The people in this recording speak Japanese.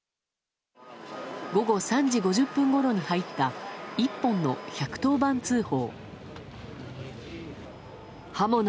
午後３時５０分ごろに入った１本の１１０番通報。